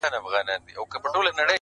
o د غار خوله کي تاوېدله ګرځېدله,